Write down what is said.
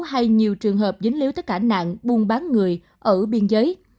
hay nhiều trường hợp dính líu tất cả nạn buôn bán người ở biên giới